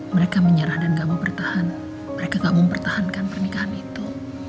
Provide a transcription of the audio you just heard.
mereka gak mau pertahankan pernikahan itu